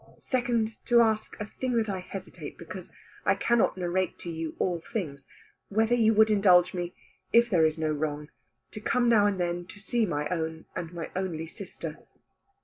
Second to ask, a thing that I hesitate because I cannot narrate to you all things, whether you would indulge me, if there is no wrong, to come now and then to see my own and my only sister."